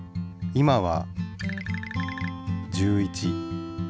今は１３。